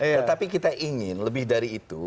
tetapi kita ingin lebih dari itu